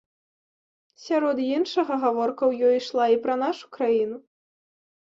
Сярод іншага, гаворка у ёй ішла і пра нашу краіну.